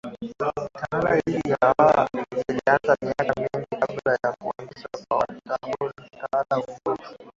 Tawala hizi za waha zilianza miaka mingi kabla ya kuanzishwa kwa tawala za bugufi